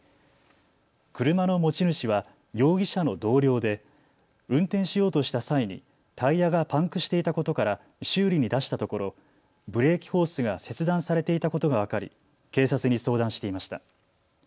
車の持ち主は容疑者の同僚で運転しようとした際にタイヤがパンクしていたことから修理に出したところブレーキホースが切断されていたことが分かり警察に相談していました。